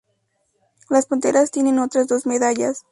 Las panteras tienen otras dos medallas.